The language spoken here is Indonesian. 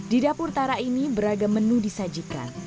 di dapur tara ini beragam menu disajikan